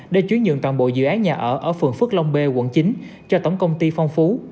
để chuyển nhượng toàn bộ dự án nhà ở phường phước long b quận chín cho tổng công ty phong phú